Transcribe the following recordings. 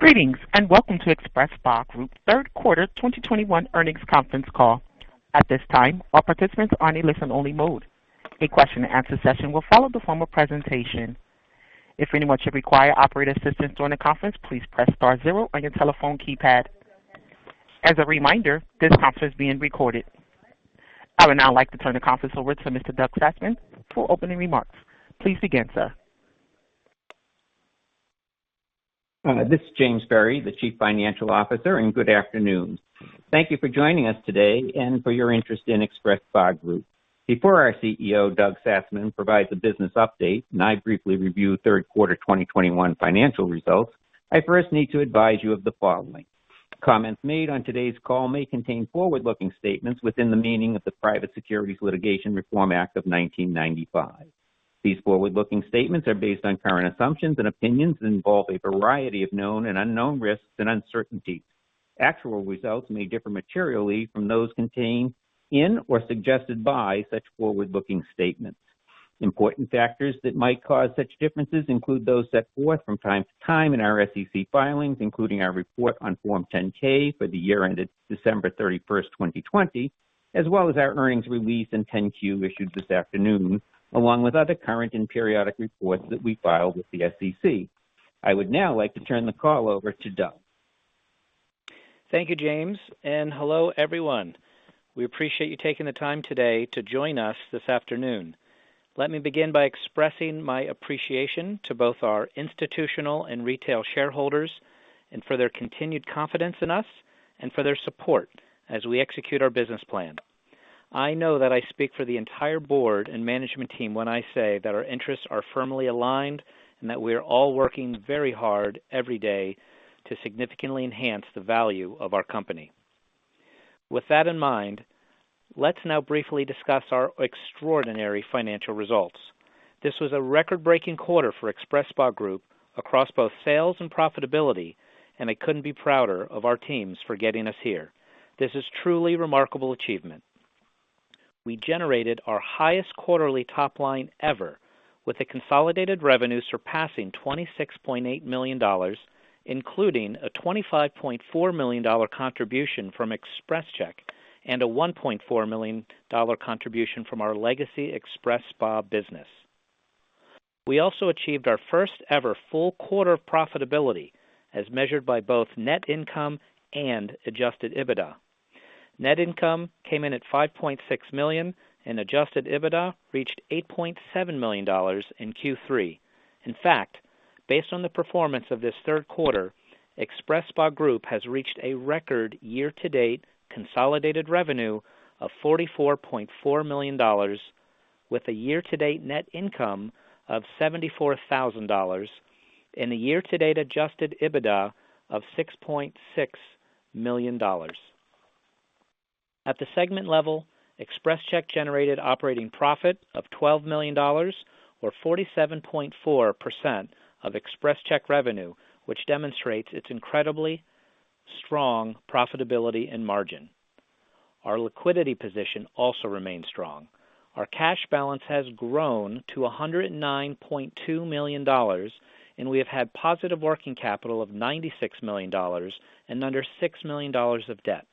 Greetings, and Welcome to XpresSpa Group Third Quarter 2021 Earnings Conference Call. At this time, all participants are in a listen-only mode. A question-and-answer session will follow the formal presentation. If anyone should require operator assistance during the conference, please press star zero on your telephone keypad. As a reminder, this conference is being recorded. I would now like to turn the conference over to Mr. Doug Satzman for opening remarks. Please begin, sir. This is James Berry, the Chief Financial Officer, and good afternoon. Thank you for joining us today and for your interest in XpresSpa Group. Before our CEO, Doug Satzman, provides a business update and I briefly review third quarter 2021 financial results, I first need to advise you of the following. Comments made on today's call may contain forward-looking statements within the meaning of the Private Securities Litigation Reform Act of 1995. These forward-looking statements are based on current assumptions and opinions and involve a variety of known and unknown risks and uncertainties. Actual results may differ materially from those contained in or suggested by such forward-looking statements. Important factors that might cause such differences include those set forth from time to time in our SEC filings, including our report on Form 10-K for the year ended December 31, 2020, as well as our earnings release and 10-Q issued this afternoon, along with other current and periodic reports that we file with the SEC. I would now like to turn the call over to Doug. Thank you, James, and hello, everyone. We appreciate you taking the time today to join us this afternoon. Let me begin by expressing my appreciation to both our institutional and retail shareholders, and for their continued confidence in us and for their support as we execute our business plan. I know that I speak for the entire board and management team when I say that our interests are firmly aligned and that we are all working very hard every day to significantly enhance the value of our company. With that in mind, let's now briefly discuss our extraordinary financial results. This was a record-breaking quarter for XpresSpa Group across both sales and profitability, and I couldn't be prouder of our teams for getting us here. This is truly a remarkable achievement. We generated our highest quarterly top line ever, with a consolidated revenue surpassing $26.8 million, including a $25.4 million contribution from XpresCheck and a $1.4 million contribution from our legacy XpresSpa business. We also achieved our first ever full quarter of profitability as measured by both net income and adjusted EBITDA. Net income came in at $5.6 million and adjusted EBITDA reached $8.7 million in Q3. In fact, based on the performance of this third quarter, XpresSpa Group has reached a record year-to-date consolidated revenue of $44.4 million with a year-to-date net income of $74,000 and a year-to-date adjusted EBITDA of $6.6 million. At the segment level, XpresCheck generated operating profit of $12 million or 47.4% of XpresCheck revenue, which demonstrates its incredibly strong profitability and margin. Our liquidity position also remains strong. Our cash balance has grown to $109.2 million, and we have had positive working capital of $96 million and under $6 million of debt.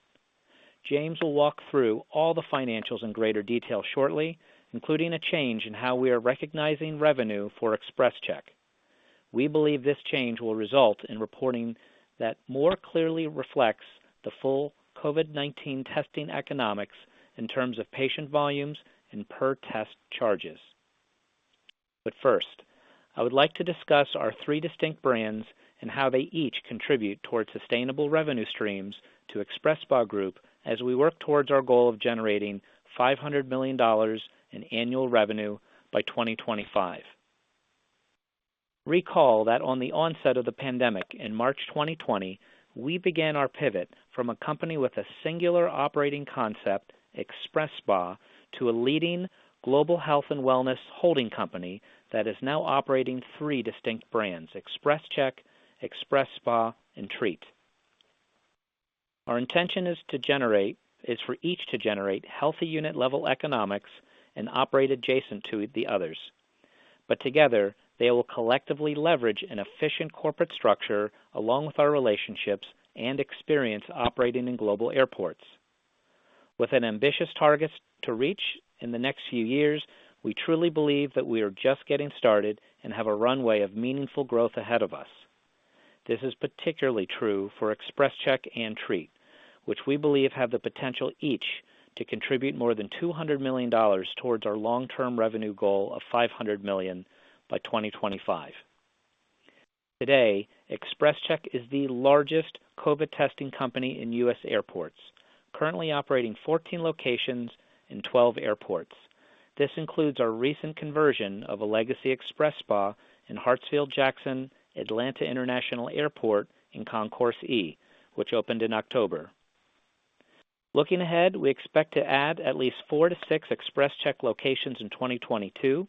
James will walk through all the financials in greater detail shortly, including a change in how we are recognizing revenue for XpresCheck. We believe this change will result in reporting that more clearly reflects the full COVID-19 testing economics in terms of patient volumes and per test charges. First, I would like to discuss our three distinct brands and how they each contribute towards sustainable revenue streams to XpresSpa Group as we work towards our goal of generating $500 million in annual revenue by 2025. Recall that on the onset of the pandemic in March 2020, we began our pivot from a company with a singular operating concept, XpresSpa, to a leading global health and wellness holding company that is now operating three distinct brands, XpresCheck, XpresSpa, and Treat. Our intention is for each to generate healthy unit level economics and operate adjacent to the others. Together, they will collectively leverage an efficient corporate structure along with our relationships and experience operating in global airports. With an ambitious targets to reach in the next few years, we truly believe that we are just getting started and have a runway of meaningful growth ahead of us. This is particularly true for XpresCheck and Treat, which we believe have the potential each to contribute more than $200 million towards our long-term revenue goal of $500 million by 2025. Today, XpresCheck is the largest COVID testing company in U.S. airports, currently operating 14 locations in 12 airports. This includes our recent conversion of a legacy XpresSpa in Hartsfield-Jackson Atlanta International Airport in Concourse E, which opened in October. Looking ahead, we expect to add at least four to six XpresCheck locations in 2022.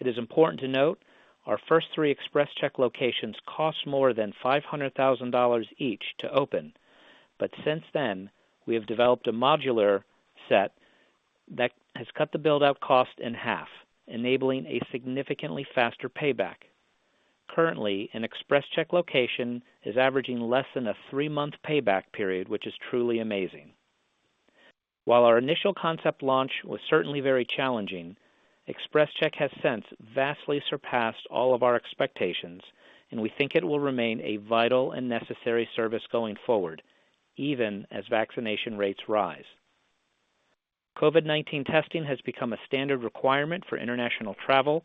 It is important to note our first three XpresCheck locations cost more than $500,000 each to open. Since then, we have developed a modular setup that has cut the build out cost in half, enabling a significantly faster payback. Currently, an XpresCheck location is averaging less than a three-month payback period, which is truly amazing. While our initial concept launch was certainly very challenging, XpresCheck has since vastly surpassed all of our expectations, and we think it will remain a vital and necessary service going forward, even as vaccination rates rise. COVID-19 testing has become a standard requirement for international travel,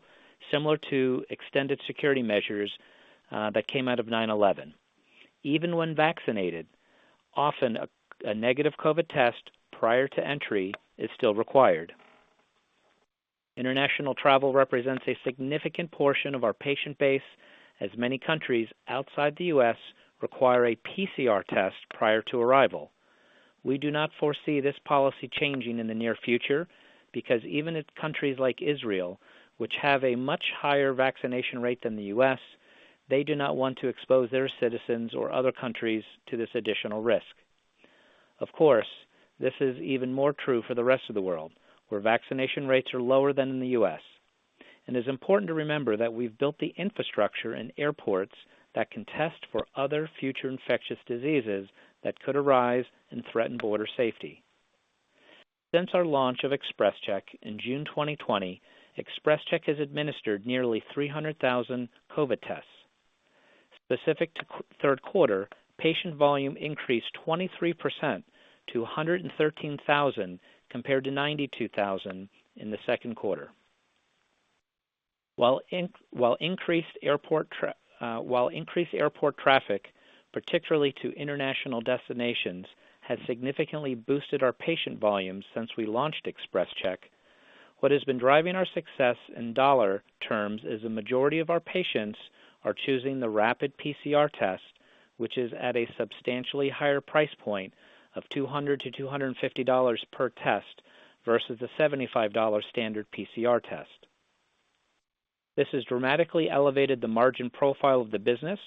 similar to extended security measures that came out of 9/11. Even when vaccinated, often a negative COVID test prior to entry is still required. International travel represents a significant portion of our patient base, as many countries outside the U.S. require a PCR test prior to arrival. We do not foresee this policy changing in the near future because even in countries like Israel, which have a much higher vaccination rate than the U.S., they do not want to expose their citizens or other countries to this additional risk. Of course, this is even more true for the rest of the world, where vaccination rates are lower than in the U.S. It's important to remember that we've built the infrastructure in airports that can test for other future infectious diseases that could arise and threaten border safety. Since our launch of XpresCheck in June 2020, XpresCheck has administered nearly 300,000 COVID tests. Specific to third quarter, patient volume increased 23% to 113,000 compared to 92,000 in the second quarter. While increased airport traffic, particularly to international destinations, has significantly boosted our patient volumes since we launched XpresCheck, what has been driving our success in dollar terms is the majority of our patients are choosing the rapid PCR test, which is at a substantially higher price point of $200 to $250 per test versus the $75 standard PCR test. This has dramatically elevated the margin profile of the business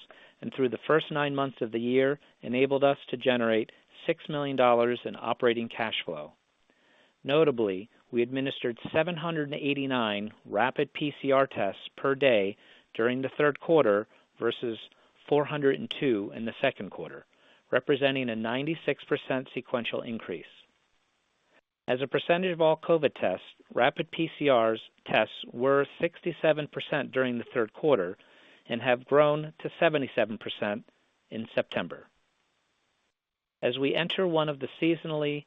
and through the first nine months of the year, enabled us to generate $6 million in operating cash flow. Notably, we administered 789 rapid PCR tests per day during the third quarter versus 402 in the second quarter, representing a 96% sequential increase. As a percentage of all COVID-19 tests, rapid PCR tests were 67% during the third quarter and have grown to 77% in September. As we enter one of the seasonally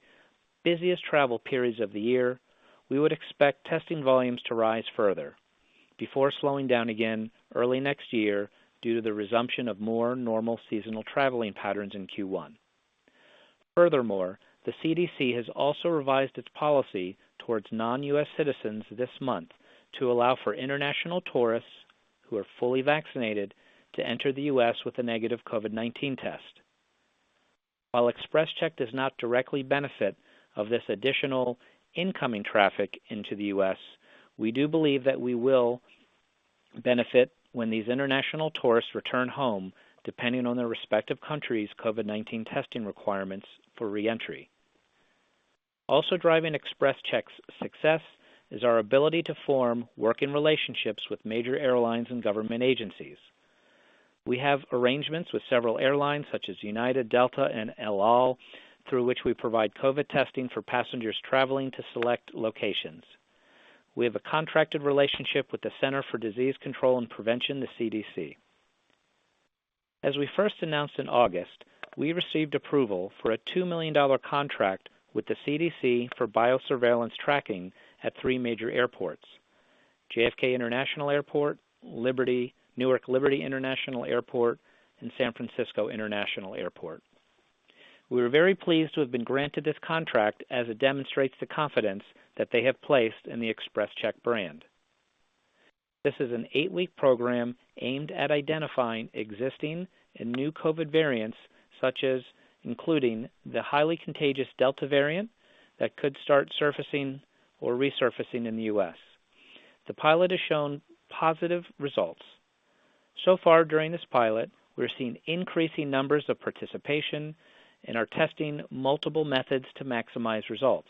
busiest travel periods of the year, we would expect testing volumes to rise further before slowing down again early next year due to the resumption of more normal seasonal traveling patterns in Q1. Furthermore, the CDC has also revised its policy towards non-U.S. citizens this month to allow for international tourists who are fully vaccinated to enter the U.S. with a negative COVID-19 test. While XpresCheck does not directly benefit from this additional incoming traffic into the U.S., we do believe that we will benefit when these international tourists return home, depending on their respective countries' COVID-19 testing requirements for re-entry. Also driving XpresCheck's success is our ability to form working relationships with major airlines and government agencies. We have arrangements with several airlines such as United, Delta, and EL AL, through which we provide COVID testing for passengers traveling to select locations. We have a contracted relationship with the Centers for Disease Control and Prevention, the CDC. As we first announced in August, we received approval for a $2 million contract with the CDC for Biosurveillance tracking at three major airports, JFK International Airport, Newark Liberty International Airport, and San Francisco International Airport. We were very pleased to have been granted this contract as it demonstrates the confidence that they have placed in the XpresCheck brand. This is an eight-week program aimed at identifying existing and new COVID variants, such as including the highly contagious Delta variant that could start surfacing or resurfacing in the U.S. The pilot has shown positive results. So far during this pilot, we're seeing increasing numbers of participation and are testing multiple methods to maximize results.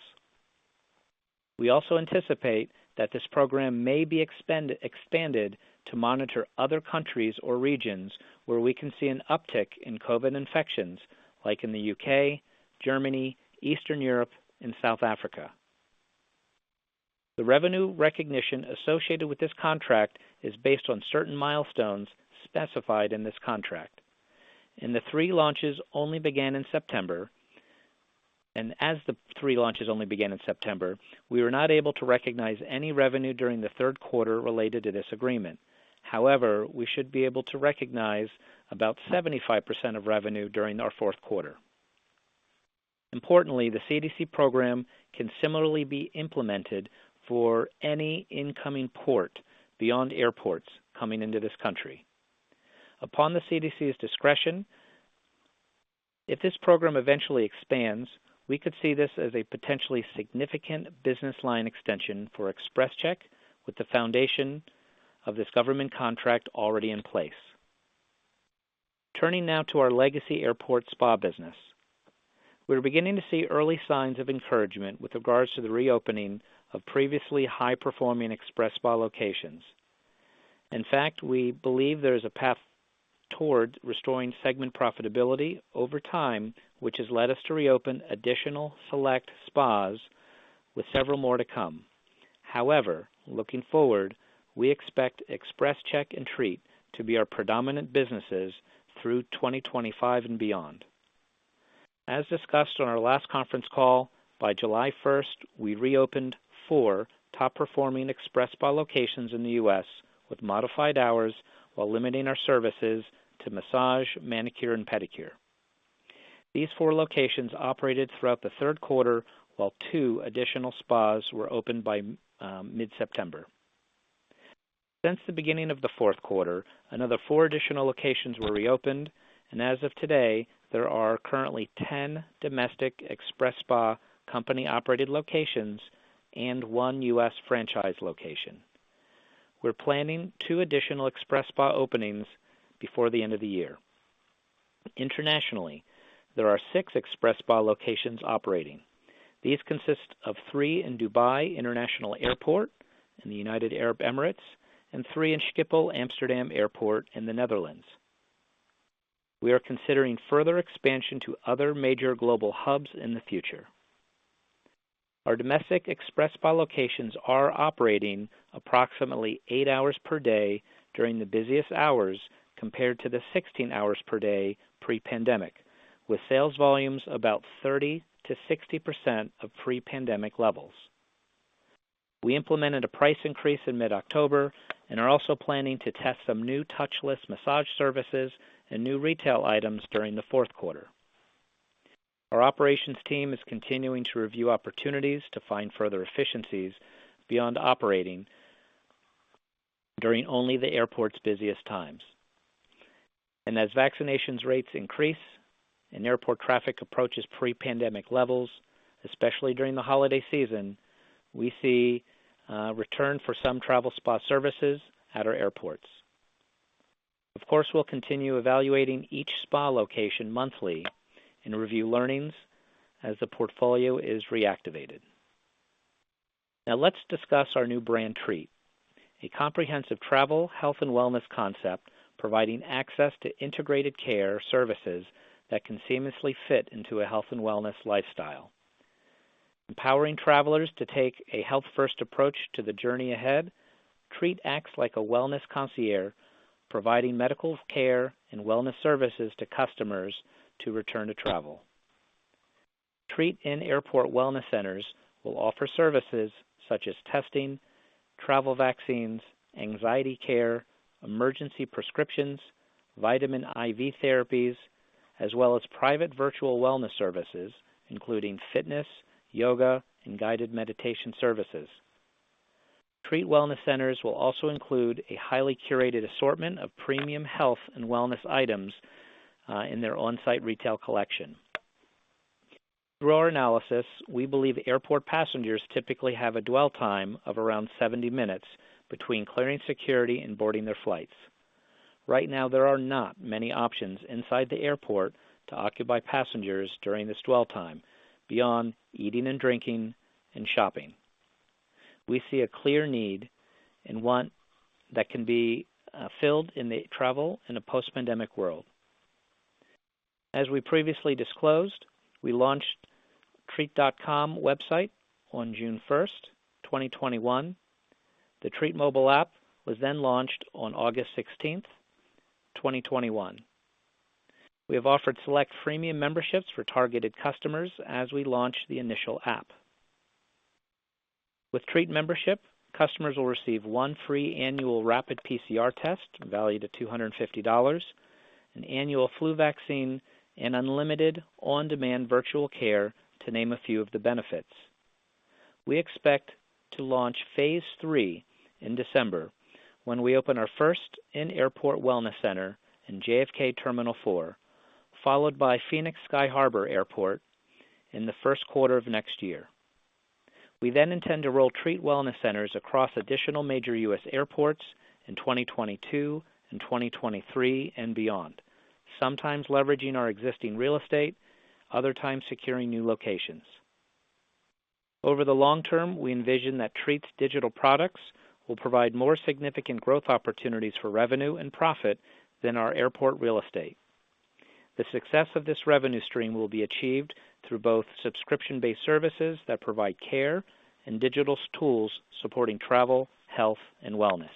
We also anticipate that this program may be expanded to monitor other countries or regions where we can see an uptick in COVID infections like in the U.K., Germany, Eastern Europe, and South Africa. The revenue recognition associated with this contract is based on certain milestones specified in this contract. As the three launches only began in September, we were not able to recognize any revenue during the third quarter related to this agreement. However, we should be able to recognize about 75% of revenue during our fourth quarter. Importantly, the CDC program can similarly be implemented for any incoming port beyond airports coming into this country. Upon the CDC's discretion, if this program eventually expands, we could see this as a potentially significant business line extension for XpresCheck with the foundation of this government contract already in place. Turning now to our legacy airport spa business. We are beginning to see early signs of encouragement with regards to the reopening of previously high-performing XpresSpa locations. In fact, we believe there is a path towards restoring segment profitability over time, which has led us to reopen additional select spas with several more to come. However, looking forward, we expect XpresCheck and Treat to be our predominant businesses through 2025 and beyond. As discussed on our last conference call, by July first, we reopened four top-performing XpresSpa locations in the U.S. with modified hours while limiting our services to massage, manicure, and pedicure. These four locations operated throughout the third quarter, while two additional spas were opened by mid-September. Since the beginning of the fourth quarter, another four additional locations were reopened, and as of today, there are currently 10 domestic XpresSpa company-operated locations and one U.S. franchise location. We're planning two additional XpresSpa openings before the end of the year. Internationally, there are six XpresSpa locations operating. These consist of three in Dubai International Airport in the United Arab Emirates and three in Schiphol Amsterdam Airport in the Netherlands. We are considering further expansion to other major global hubs in the future. Our domestic XpresSpa locations are operating approximately eight hours per day during the busiest hours compared to the 16 hours per day pre-pandemic, with sales volumes about 30% to 60% of pre-pandemic levels. We implemented a price increase in mid-October and are also planning to test some new touchless massage services and new retail items during the fourth quarter. Our operations team is continuing to review opportunities to find further efficiencies beyond operating during only the airport's busiest times. As vaccination rates increase and airport traffic approaches pre-pandemic levels, especially during the holiday season, we see return for some travel spa services at our airports. Of course, we'll continue evaluating each spa location monthly and review learnings as the portfolio is reactivated. Now let's discuss our new brand, Treat, a comprehensive travel, health, and wellness concept providing access to integrated care services that can seamlessly fit into a health and wellness lifestyle. Empowering travelers to take a health-first approach to the journey ahead, Treat acts like a wellness concierge, providing medical care and wellness services to customers to return to travel. Treat in-airport wellness centers will offer services such as testing, travel vaccines, anxiety care, emergency prescriptions, vitamin IV therapies, as well as private virtual wellness services, including fitness, yoga, and guided meditation services. Treat wellness centers will also include a highly curated assortment of premium health and wellness items in their on-site retail collection. Through our analysis, we believe airport passengers typically have a dwell time of around 70 minutes between clearing security and boarding their flights. Right now, there are not many options inside the airport to occupy passengers during this dwell time beyond eating and drinking and shopping. We see a clear need and want that can be filled in the travel in a post-pandemic world. As we previously disclosed, we launched treat.com website on June first, 2021. The Treat mobile app was then launched on August 16, 2021. We have offered select freemium memberships for targeted customers as we launch the initial app. With Treat membership, customers will receive one free annual rapid PCR test valued at $250, an annual flu vaccine, and unlimited on-demand virtual care to name a few of the benefits. We expect to launch phase three in December when we open our first in-airport wellness center in JFK Terminal four, followed by Phoenix Sky Harbor Airport in the first quarter of next year. We then intend to roll Treat wellness centers across additional major U.S. airports in 2022 and 2023 and beyond, sometimes leveraging our existing real estate, other times securing new locations. Over the long term, we envision that Treat's digital products will provide more significant growth opportunities for revenue and profit than our airport real estate. The success of this revenue stream will be achieved through both subscription-based services that provide care and digital tools supporting travel, health, and wellness.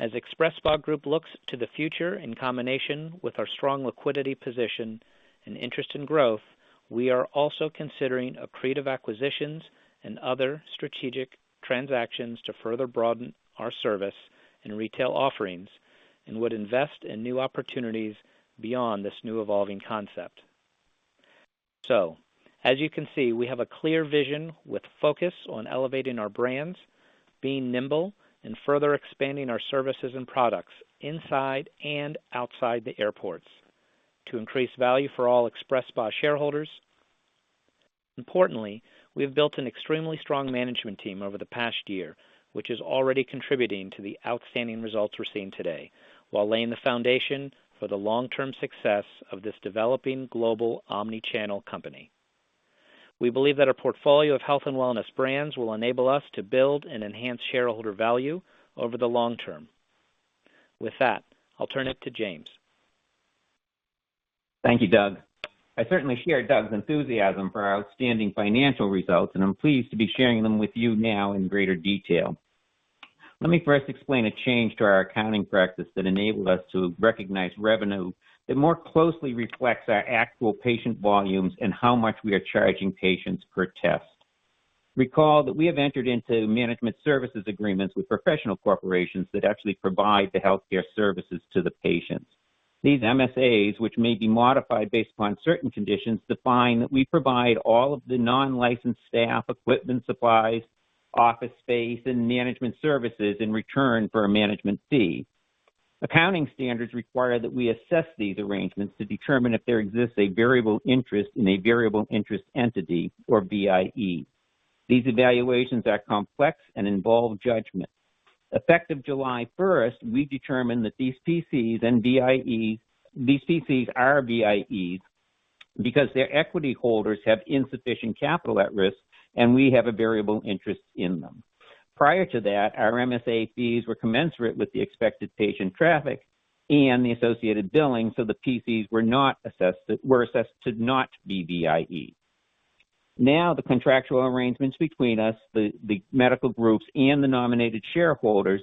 As XpresSpa Group looks to the future in combination with our strong liquidity position and interest in growth, we are also considering accretive acquisitions and other strategic transactions to further broaden our service and retail offerings and would invest in new opportunities beyond this new evolving concept. As you can see, we have a clear vision with focus on elevating our brands, being nimble, and further expanding our services and products inside and outside the airports to increase value for all XpresSpa shareholders. Importantly, we have built an extremely strong management team over the past year, which is already contributing to the outstanding results we're seeing today, while laying the foundation for the long-term success of this developing global omni-channel company. We believe that our portfolio of health and wellness brands will enable us to build and enhance shareholder value over the long term. With that, I'll turn it to James. Thank you, Doug. I certainly share Doug's enthusiasm for our outstanding financial results, and I'm pleased to be sharing them with you now in greater detail. Let me first explain a change to our accounting practice that enabled us to recognize revenue that more closely reflects our actual patient volumes and how much we are charging patients per test. Recall that we have entered into management services agreements with professional corporations that actually provide the healthcare services to the patients. These MSA, which may be modified based upon certain conditions, define that we provide all of the non-licensed staff, equipment, supplies, office space, and management services in return for a management fee. Accounting standards require that we assess these arrangements to determine if there exists a variable interest in a variable interest entity, or VIE. These evaluations are complex and involve judgment. Effective July first, we determined that these PC and VIE. These PC are VIE because their equity holders have insufficient capital at risk, and we have a variable interest in them. Prior to that, our MSA fees were commensurate with the expected patient traffic and the associated billing, so the PC were assessed to not be VIE. Now, the contractual arrangements between us, the medical groups, and the nominated shareholders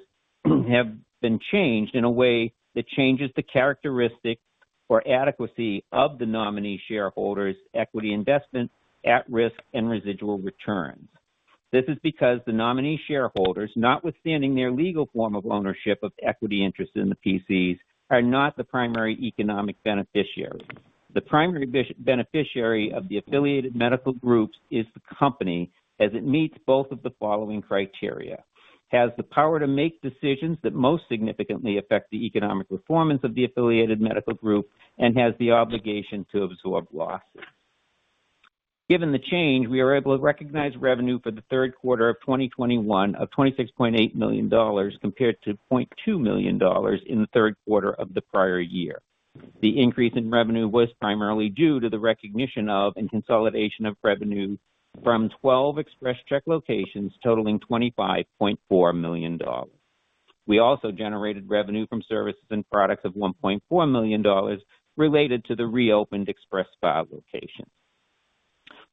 have been changed in a way that changes the characteristic or adequacy of the nominee shareholders' equity investment at risk and residual returns. This is because the nominee shareholders, notwithstanding their legal form of ownership of equity interest in the PC, are not the primary economic beneficiary. The primary beneficiary of the affiliated medical groups is the company, as it meets both of the following criteria: has the power to make decisions that most significantly affect the economic performance of the affiliated medical group and has the obligation to absorb losses. Given the change, we are able to recognize revenue for the third quarter of 2021 of $26.8 million compared to $0.2 million in the third quarter of the prior year. The increase in revenue was primarily due to the recognition of and consolidation of revenue from 12 XpresCheck locations totaling $25.4 million. We also generated revenue from services and products of $1.4 million related to the reopened XpresSpa locations.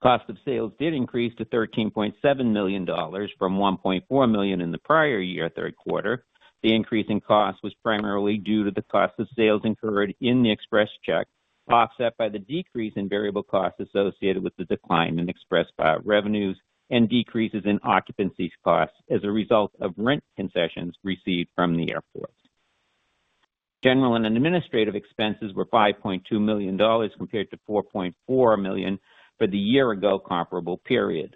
Cost of sales did increase to $13.7 million from $1.4 million in the prior year third quarter. The increase in cost was primarily due to the cost of sales incurred in XpresCheck, offset by the decrease in variable costs associated with the decline in XpresSpa revenues and decreases in occupancy costs as a result of rent concessions received from the airports. General and administrative expenses were $5.2 million compared to $4.4 million for the year-ago comparable period.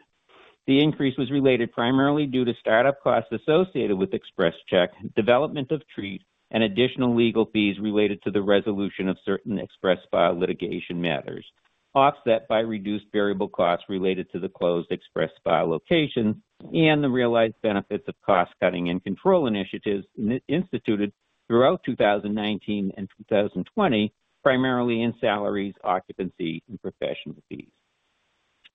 The increase was related primarily due to start-up costs associated with XpresCheck, development of Treat, and additional legal fees related to the resolution of certain XpresSpa litigation matters, offset by reduced variable costs related to the closed XpresSpa locations and the realized benefits of cost-cutting and control initiatives instituted throughout 2019 and 2020, primarily in salaries, occupancy, and professional fees.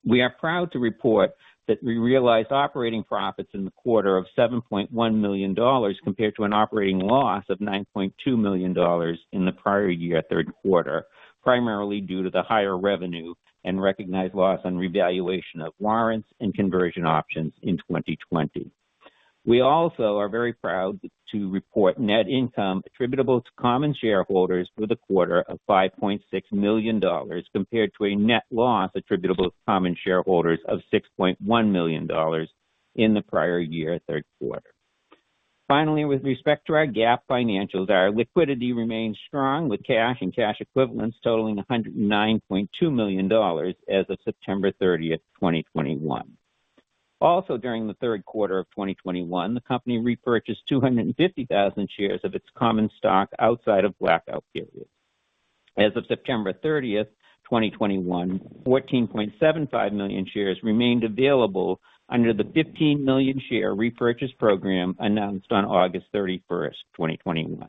We are proud to report that we realized operating profits in the quarter of $7.1 million compared to an operating loss of $9.2 million in the prior year third quarter, primarily due to the higher revenue and recognized loss on revaluation of warrants and conversion options in 2020. We also are very proud to report net income attributable to common shareholders for the quarter of $5.6 million compared to a net loss attributable to common shareholders of $6.1 million in the prior year third quarter. Finally, with respect to our GAAP financials, our liquidity remains strong with cash and cash equivalents totaling $109.2 million as of September 30, 2021. Also during the third quarter of 2021, the company repurchased 250,000 shares of its common stock outside of blackout periods. As of September 30, 2021, 14.75 million shares remained available under the 15 million share repurchase program announced on August 31, 2021.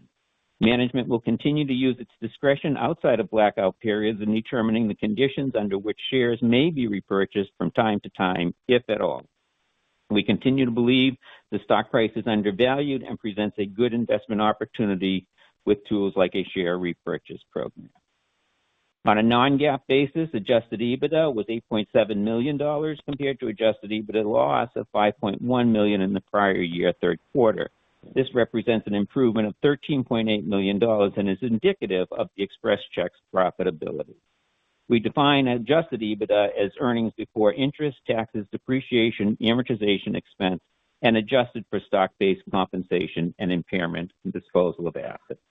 Management will continue to use its discretion outside of blackout periods in determining the conditions under which shares may be repurchased from time to time, if at all. We continue to believe the stock price is undervalued and presents a good investment opportunity with tools like a share repurchase program. On a non-GAAP basis, adjusted EBITDA was $8.7 million compared to adjusted EBITDA loss of $5.1 million in the prior year third quarter. This represents an improvement of $13.8 million and is indicative of the XpresCheck's profitability. We define adjusted EBITDA as earnings before interest, taxes, depreciation, amortization expense, and adjusted for stock-based compensation and impairment and disposal of assets.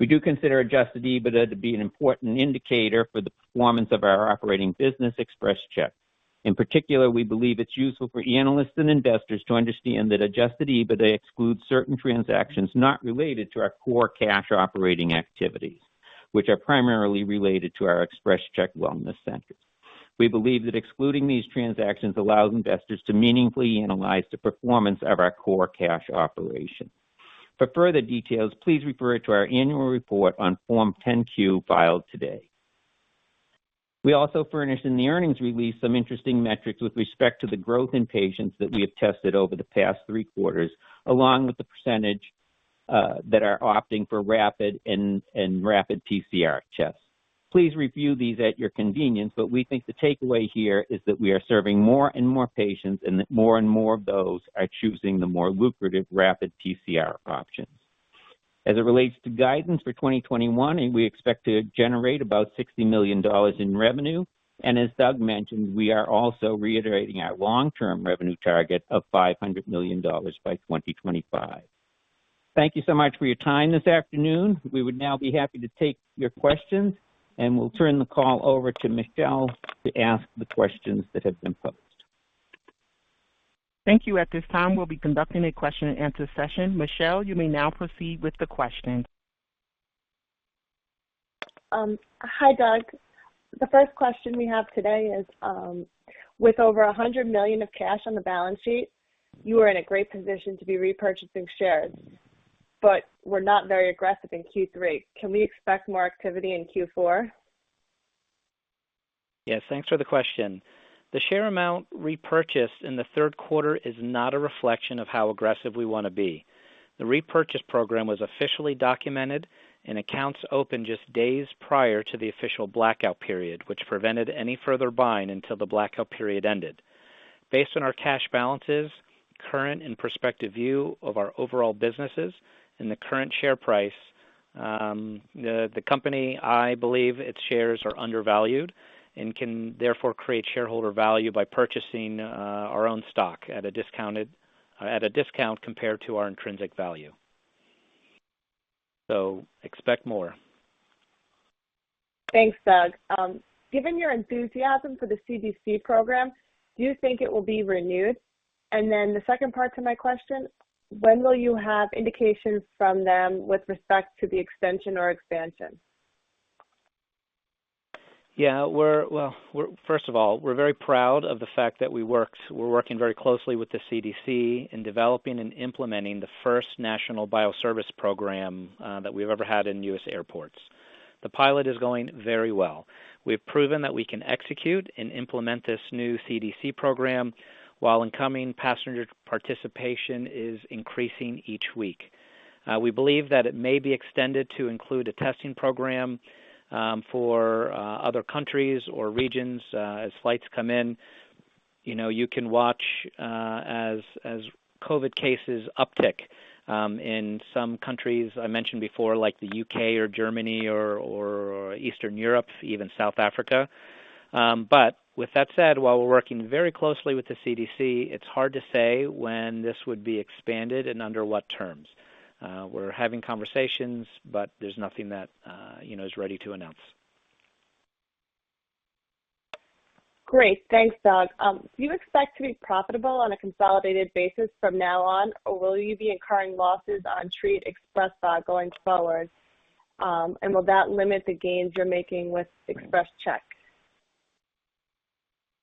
We do consider adjusted EBITDA to be an important indicator for the performance of our operating business, XpresCheck. In particular, we believe it's useful for analysts and investors to understand that adjusted EBITDA excludes certain transactions not related to our core cash operating activities, which are primarily related to our XpresCheck Wellness Centers. We believe that excluding these transactions allows investors to meaningfully analyze the performance of our core cash operations. For further details, please refer to our annual report on Form 10-Q filed today. We also furnished in the earnings release some interesting metrics with respect to the growth in patients that we have tested over the past three quarters, along with the percentage that are opting for rapid PCR tests. Please review these at your convenience, but we think the takeaway here is that we are serving more and more patients, and that more and more of those are choosing the more lucrative rapid PCR option. As it relates to guidance for 2021, and we expect to generate about $60 million in revenue. As Doug mentioned, we are also reiterating our long-term revenue target of $500 million by 2025. Thank you so much for your time this afternoon. We would now be happy to take your questions, and we'll turn the call over to Michelle to ask the questions that have been posted. Thank you. At this time, we'll be conducting a question-and-answer session. Michelle, you may now proceed with the questions. Hi, Doug. The first question we have today is, with over $100 million of cash on the balance sheet, you are in a great position to be repurchasing shares, but you were not very aggressive in Q3. Can we expect more activity in Q4? Yes, thanks for the question. The share amount repurchased in the third quarter is not a reflection of how aggressive we wanna be. The repurchase program was officially documented, and accounts opened just days prior to the official blackout period, which prevented any further buying until the blackout period ended. Based on our cash balances, current and prospective view of our overall businesses and the current share price, the company, I believe its shares are undervalued and can therefore create shareholder value by purchasing our own stock at a discount compared to our intrinsic value. Expect more. Thanks, Doug. Given your enthusiasm for the CDC program, do you think it will be renewed? The second part to my question, when will you have indications from them with respect to the extension or expansion? Yeah, well, first of all, we're very proud of the fact that we're working very closely with the CDC in developing and implementing the first National Biosurveillance Program that we've ever had in U.S. airports. The pilot is going very well. We have proven that we can execute and implement this new CDC program, while incoming passenger participation is increasing each week. We believe that it may be extended to include a testing program for other countries or regions as flights come in. You know, you can watch as COVID cases uptick in some countries I mentioned before, like the U.K. or Germany or Eastern Europe, even South Africa. With that said, while we're working very closely with the CDC, it's hard to say when this would be expanded and under what terms. We're having conversations, but there's nothing that, you know, is ready to announce. Great. Thanks, Doug. Do you expect to be profitable on a consolidated basis from now on, or will you be incurring losses on Treat, XpresSpa going forward? Will that limit the gains you're making with XpresCheck?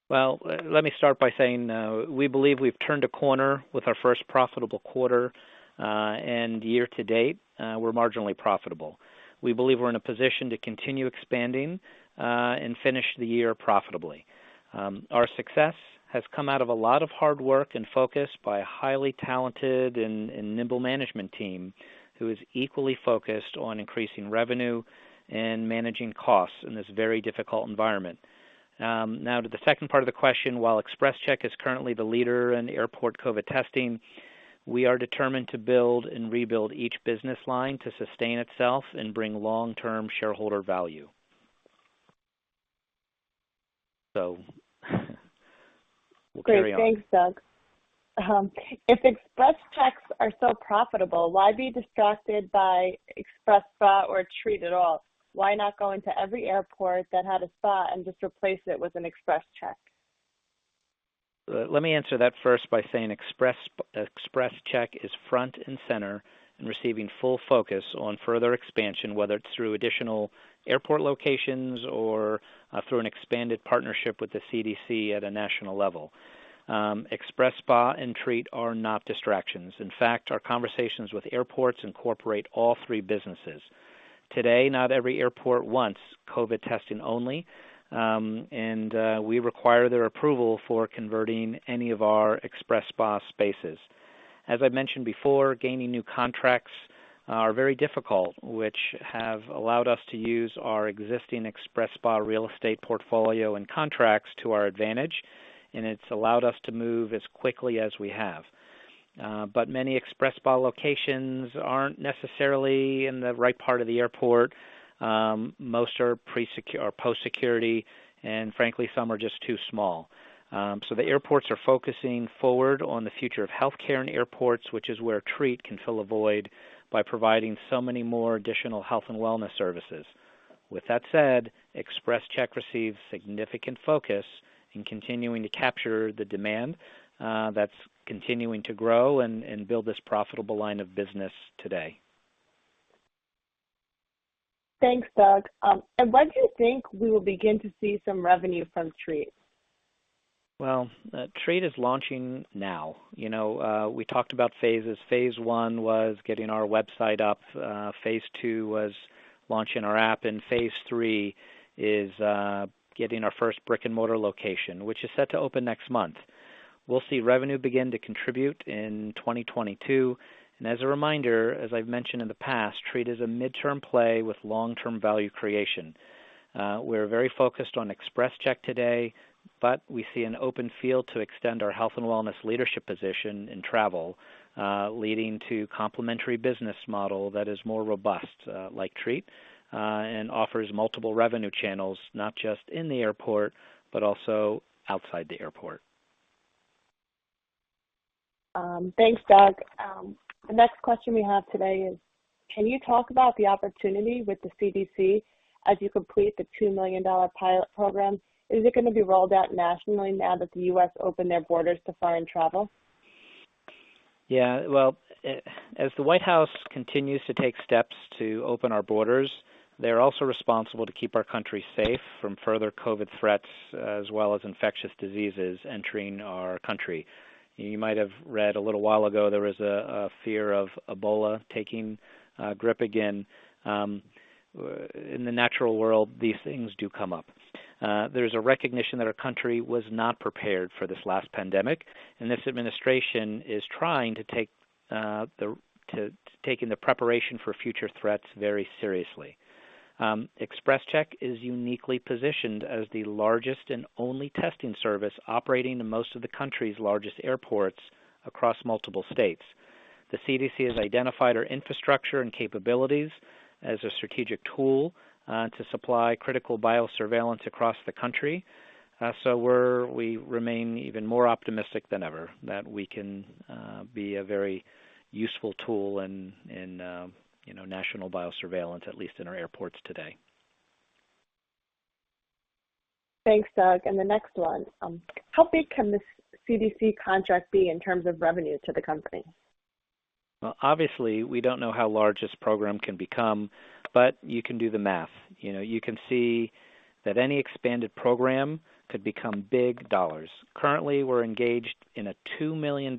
Well, let me start by saying, we believe we've turned a corner with our first profitable quarter. Year to date, we're marginally profitable. We believe we're in a position to continue expanding and finish the year profitably. Our success has come out of a lot of hard work and focus by a highly talented and nimble management team who is equally focused on increasing revenue and managing costs in this very difficult environment. Now to the second part of the question, while XpresCheck is currently the leader in airport COVID testing, we are determined to build and rebuild each business line to sustain itself and bring long-term shareholder value. We'll carry on. Great. Thanks, Doug. If XpresCheck are so profitable, why be distracted by XpresSpa or Treat at all? Why not go into every airport that had a spa and just replace it with an XpresCheck? Let me answer that first by saying Xpres, XpresCheck is front and center and receiving full focus on further expansion, whether it's through additional airport locations or through an expanded partnership with the CDC at a national level. XpresSpa and Treat are not distractions. In fact, our conversations with airports incorporate all three businesses. Today, not every airport wants COVID testing only, and we require their approval for converting any of our XpresSpa spaces. As I mentioned before, gaining new contracts are very difficult, which have allowed us to use our existing XpresSpa real estate portfolio and contracts to our advantage, and it's allowed us to move as quickly as we have. Many XpresSpa locations aren't necessarily in the right part of the airport, most are pre- or post-security, and frankly, some are just too small. The airports are focusing forward on the future of healthcare in airports, which is where Treat can fill a void by providing so many more additional health and wellness services. With that said, XpresCheck receives significant focus in continuing to capture the demand, that's continuing to grow and build this profitable line of business today. Thanks, Doug. When do you think we will begin to see some revenue from Treat? Well, Treat is launching now. You know, we talked about phases. Phase one was getting our website up. Phase two was launching our app. Phase three is getting our first brick-and-mortar location, which is set to open next month. We'll see revenue begin to contribute in 2022. As a reminder, as I've mentioned in the past, Treat is a midterm play with long-term value creation. We're very focused on XpresCheck today, but we see an open field to extend our health and wellness leadership position in travel, leading to complementary business model that is more robust, like Treat, and offers multiple revenue channels, not just in the airport, but also outside the airport. Thanks, Doug. The next question we have today is, can you talk about the opportunity with the CDC as you complete the $2 million pilot program? Is it gonna be rolled out nationally now that the U.S. opened their borders to foreign travel? Yeah. Well, as the White House continues to take steps to open our borders, they're also responsible to keep our country safe from further COVID threats as well as infectious diseases entering our country. You might have read a little while ago, there was a fear of Ebola taking grip again. In the natural world, these things do come up. There's a recognition that our country was not prepared for this last pandemic, and this administration is trying to take the preparation for future threats very seriously. XpresCheck is uniquely positioned as the largest and only testing service operating in most of the country's largest airports across multiple states. The CDC has identified our infrastructure and capabilities as a strategic tool to supply critical biosurveillance across the country. We remain even more optimistic than ever that we can be a very useful tool in, you know, National Biosurveillance, at least in our airports today. Thanks, Doug. The next one. How big can this CDC contract be in terms of revenue to the company? Well, obviously, we don't know how large this program can become, but you can do the math. You know, you can see that any expanded program could become big dollars. Currently, we're engaged in a $2 million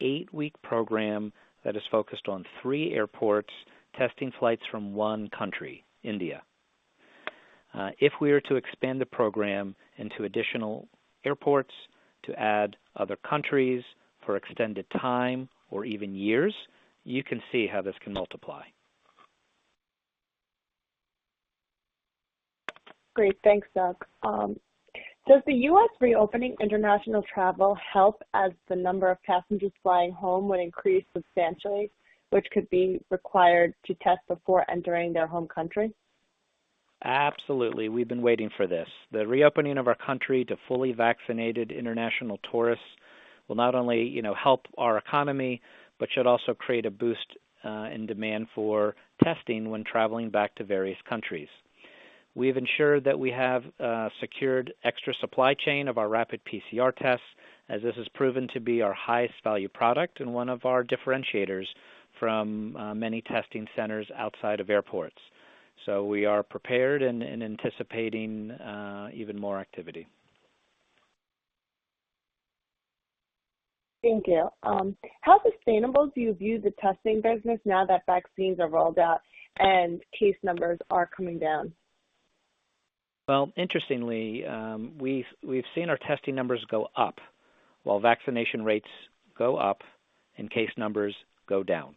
eight-week program that is focused on three airports, testing flights from 1 country, India. If we were to expand the program into additional airports to add other countries for extended time or even years, you can see how this can multiply. Great. Thanks, Doug. Does the U.S. reopening international travel help as the number of passengers flying home would increase substantially, which could be required to test before entering their home country? Absolutely. We've been waiting for this. The reopening of our country to fully vaccinated international tourists will not only, you know, help our economy, but should also create a boost in demand for testing when traveling back to various countries. We have ensured that we have secured extra supply chain of our rapid PCR tests as this has proven to be our highest value product and one of our differentiators from many testing centers outside of airports. We are prepared and anticipating even more activity. Thank you. How sustainable do you view the testing business now that vaccines are rolled out and case numbers are coming down? Well, interestingly, we've seen our testing numbers go up while vaccination rates go up and case numbers go down.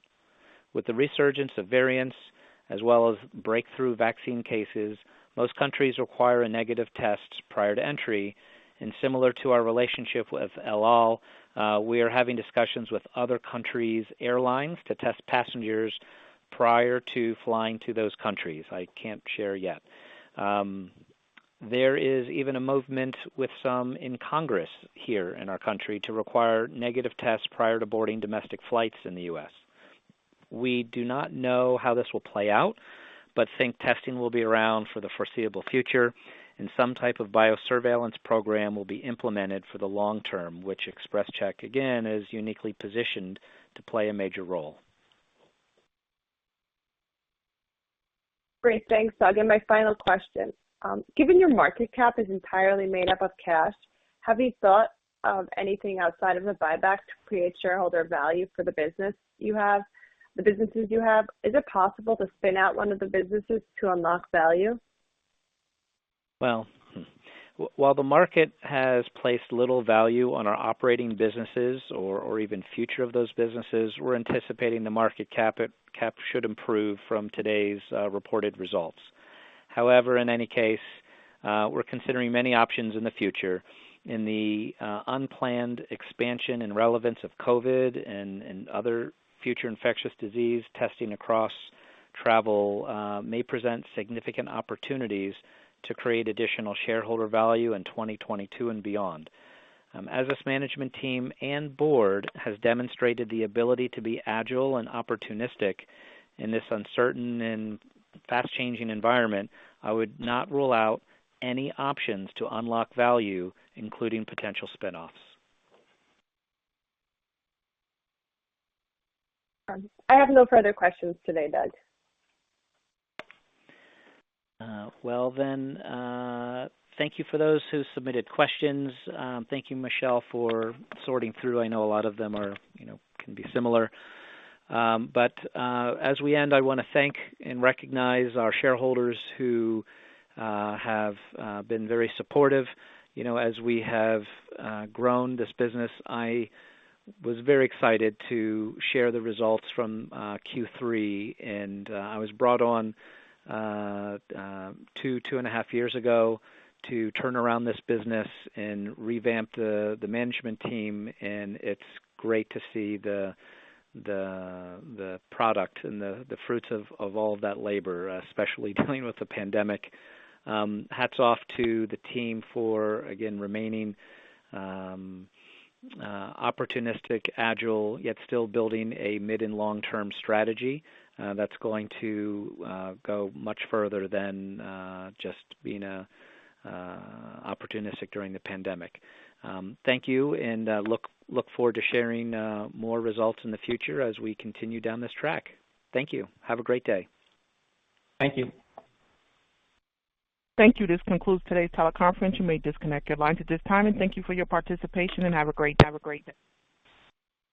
With the resurgence of variants as well as breakthrough vaccine cases, most countries require a negative test prior to entry, and similar to our relationship with El Al, we are having discussions with other countries' airlines to test passengers prior to flying to those countries. I can't share yet. There is even a movement with some in Congress here in our country to require negative tests prior to boarding domestic flights in the U.S. We do not know how this will play out, but think testing will be around for the foreseeable future, and some type of biosurveillance program will be implemented for the long term, which XpresCheck, again, is uniquely positioned to play a major role. Great. Thanks, Doug. My final question. Given your market cap is entirely made up of cash, have you thought of anything outside of a buyback to create shareholder value for the businesses you have? Is it possible to spin out one of the businesses to unlock value? Well, while the market has placed little value on our operating businesses or even future of those businesses, we're anticipating the market cap should improve from today's reported results. However, in any case, we're considering many options in the future. In the unplanned expansion and relevance of COVID and other future infectious disease testing across travel may present significant opportunities to create additional shareholder value in 2022 and beyond. As this management team and board has demonstrated the ability to be agile and opportunistic in this uncertain and fast-changing environment, I would not rule out any options to unlock value, including potential spin-offs. I have no further questions today, Doug. Well, thank you for those who submitted questions. Thank you, Michelle, for sorting through. I know a lot of them are, you know, can be similar. As we end, I wanna thank and recognize our shareholders who have been very supportive, you know, as we have grown this business. I was very excited to share the results from Q3, and I was brought on two and half years ago to turn around this business and revamp the management team, and it's great to see the product and the fruits of all that labor, especially dealing with the pandemic. Hats off to the team for again remaining opportunistic, agile, yet still building a mid- and long-term strategy that's going to go much further than just being opportunistic during the pandemic. Thank you, and look forward to sharing more results in the future as we continue down this track. Thank you. Have a great day. Thank you. Thank you. This concludes today's teleconference. You may disconnect your lines at this time, and thank you for your participation, and have a great day.